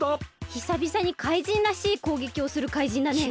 ひさびさにかいじんらしいこうげきをするかいじんだね。